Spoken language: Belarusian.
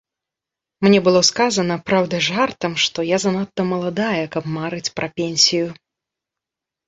Мне было сказана, праўда, жартам, што я занадта маладая, каб марыць пра пенсію.